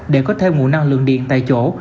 để có thêm nguồn năng lượng điện tại chỗ